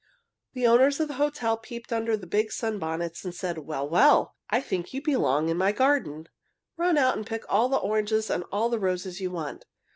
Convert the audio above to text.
The owner of the hotel peeped under the big sunbonnets and said, "Well! well! I think you belong in my garden. Run out and pick all the oranges and all the roses you want.